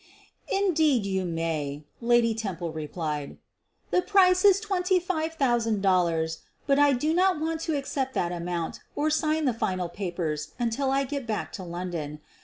"Indeed you may," Lady Temple replied. "The price is $25,000, but I do not want to accept that amount or sign the final papers until I get back to London.